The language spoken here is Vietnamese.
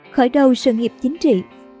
khởi đầu sự nghiệp chính trị